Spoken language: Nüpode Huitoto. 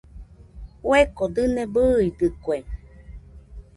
Fueko dɨne bɨidɨkue.